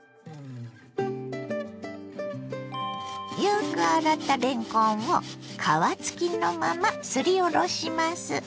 よく洗ったれんこんを皮付きのまますりおろします。